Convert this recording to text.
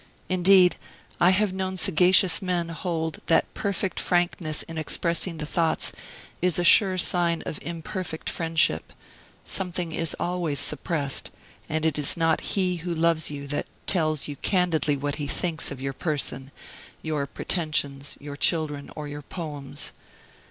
Indeed, I have known sagacious men hold that perfect frankness in expressing the thoughts is a sure sign of imperfect friendship; something is always suppressed; and it is not he who loves you that "tells you candidly what he thinks" of your person, your pretensions, your children, or your poems.